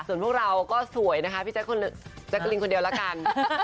ส่วนพวกเราก็สวยนะคะพี่แจ๊คแจ๊กกะลินคนเดียวละกัน